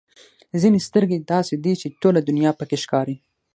ځینې سترګې داسې دي چې ټوله دنیا پکې ښکاري.